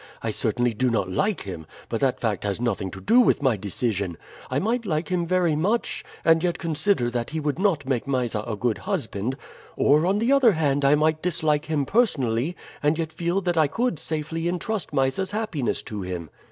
I certainly do not like him, but that fact has nothing to do with my decision. I might like him very much, and yet consider that he would not make Mysa a good husband; or, on the other hand, I might dislike him personally, and yet feel that I could safely intrust Mysa's happiness to him.